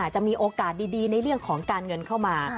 จะมีโอกาสดีในเรื่องของการเงินเข้ามา